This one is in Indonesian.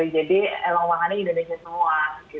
jadi elang wangannya indonesia semua